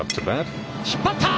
引っ張った。